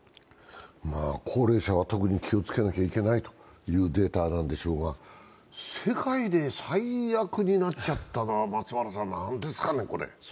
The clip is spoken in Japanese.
高齢者は特に気をつけなければいけないデータなんでしょうが、世界で最悪になっちゃったのは、何ですかね、これ。